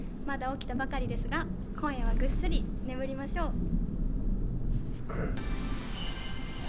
まだ起きたばかりですが、今夜はぐっすり眠りましょう。